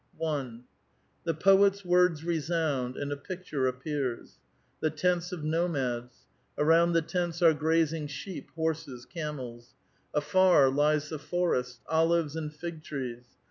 1. The poet's words resound, and a picture appears. The tents of nomads. Around the tents are grazing sheep, horses, camels. Afar lies the forest, olives, and fig trees.